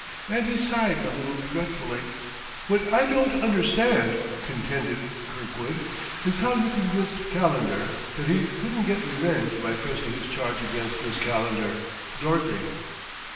And he sighed a little regretfully. "What I don't understand," contended Kirkwood, "is how you convinced Calendar that he couldn't get revenge by pressing his charge against Miss Calendar Dorothy."